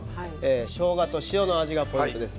しょうがと塩の味がポイントです。